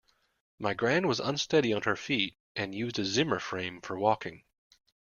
My gran was unsteady on her feet and used a Zimmer frame for walking